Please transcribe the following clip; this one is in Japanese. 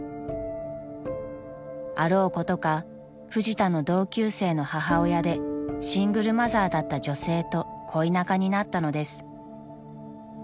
［あろうことかフジタの同級生の母親でシングルマザーだった女性と恋仲になったのです］